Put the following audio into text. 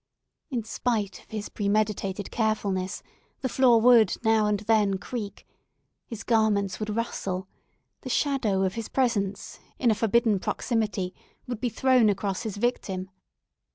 In spite of his premeditated carefulness, the floor would now and then creak; his garments would rustle; the shadow of his presence, in a forbidden proximity, would be thrown across his victim.